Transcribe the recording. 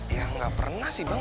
ya nggak pernah sih bang